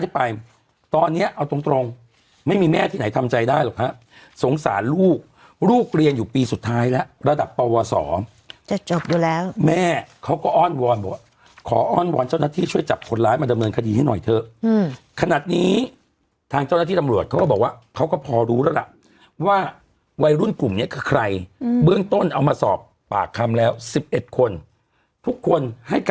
ไปตอนเนี้ยเอาตรงตรงไม่มีแม่ที่ไหนทำใจได้หรอกฮะสงสารลูกลูกเรียนอยู่ปีสุดท้ายแล้วระดับปวสอจะจบอยู่แล้วแม่เขาก็อ้อนวอนบอกว่าขออ้อนวอนเจ้าหน้าที่ช่วยจับคนร้ายมาดำเนินคดีให้หน่อยเถอะขนาดนี้ทางเจ้าหน้าที่ตำรวจเขาก็บอกว่าเขาก็พอรู้แล้วล่ะว่าวัยรุ่นกลุ่มเนี้ยคือใครเบื้องต้นเอามาสอบปากคำแล้ว๑๑คนทุกคนให้ก